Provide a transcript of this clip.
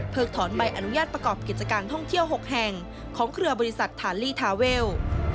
ถอนใบอนุญาตประกอบกิจการท่องเที่ยว๖แห่งของเครือบริษัททาลีทาเวล